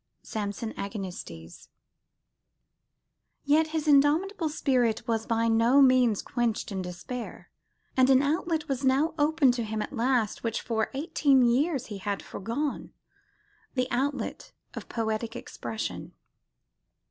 (Samson Agonistes). Yet his indomitable spirit was by no means quenched in despair: and an outlet was now open to him at last, which for eighteen years he had foregone, the outlet of poetic expression.